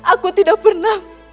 aku tidak pernah